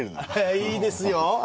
いいですよ。